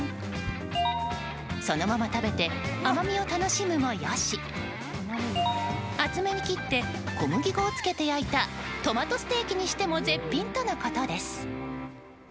そのまま食べて甘みを楽しむも良し厚めに切って小麦粉をつけて焼いたトマトステーキにしても絶品とのことです。